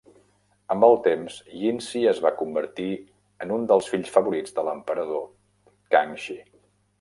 Amb el temps, Yinsi es va convertir en un dels fills favorits de l'emperador Kangxi.